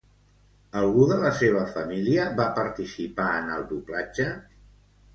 Algú de la seva família va participar en el doblatge?